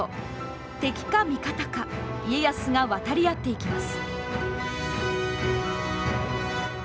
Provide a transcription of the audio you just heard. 敵か味方か、家康が渡り合っていきます。